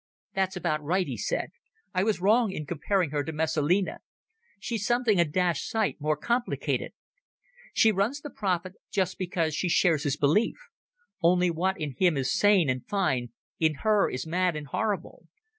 "That's about right," he said. "I was wrong in comparing her to Messalina. She's something a dashed sight more complicated. She runs the prophet just because she shares his belief. Only what in him is sane and fine, in her is mad and horrible.